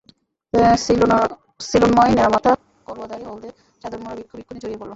সিলোনময় নেড়া মাথা, করোয়াধারী, হলদে চাদর মোড়া ভিক্ষু-ভিক্ষুণী ছড়িয়ে পড়ল।